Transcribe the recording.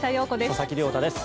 佐々木亮太です。